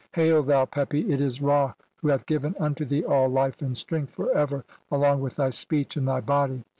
Hail, thou Pepi, it is "Ra who hath given unto thee all life and strength "for ever, along with (19) thy speech and thy body.